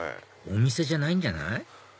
お店じゃないんじゃない？